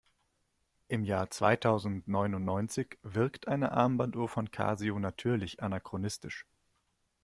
Im Jahr zweitausendneunundneunzig wirkt eine Armbanduhr von Casio natürlich anachronistisch.